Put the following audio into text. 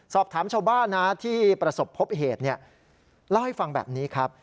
สอบถามชาวบ้านนะที่ประสบพบเหตุเล่าให้ฟังแบบนี้ครับ